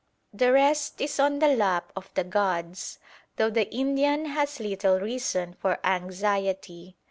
The rest is "on the lap of the gods," though the Indian has little reason for anxiety.